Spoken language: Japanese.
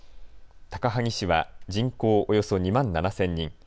高萩市は人口およそ２万７０００人。